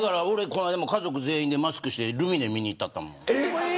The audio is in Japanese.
この間、家族全員でマスクしてルミネ見に行ったったもん。